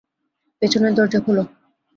পেছনের দরজা খোলো।